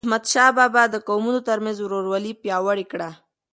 احمدشاه بابا د قومونو ترمنځ ورورولي پیاوړی کړه.